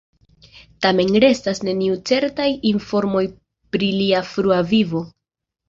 Tamen restas neniuj certaj informoj pri lia frua vivo.